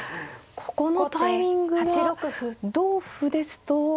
ここのタイミングは同歩ですと。